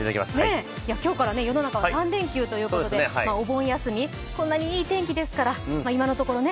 今日から世の中は３連休ということでお盆休み、こんなにいい天気ですから、今のところね。